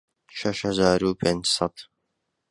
شەش هەزار و پێنج سەد